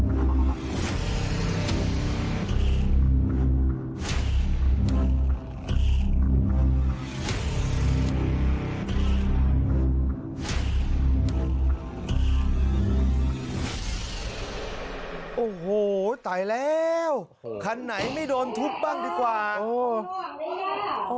โอ้โหตายแล้วคันไหนไม่โดนทุบบ้างดีกว่าโอ้โห